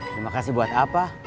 terima kasih buat apa